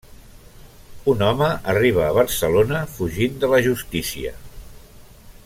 Un home arriba a Barcelona fugint de la justícia.